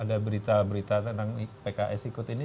ada berita berita tentang pks ikut ini